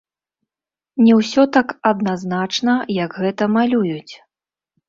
Не ўсё так адназначна, як гэта малююць.